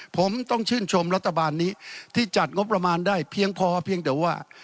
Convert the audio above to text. ผมต้องชื่นชมรัฐบาลนี้ที่จัดงบประมาณได้เพียงพอเพียงแต่ว่า